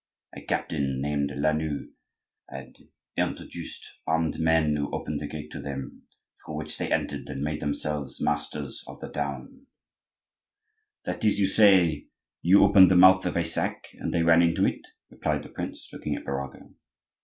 A captain, named Lanoue, had introduced armed men, who opened the gate to them, through which they entered and made themselves masters of the town—" "That is to say, you opened the mouth of a sack, and they ran into it," replied the prince, looking at Birago.